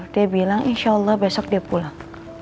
dia bilang insya allah besok dia pulang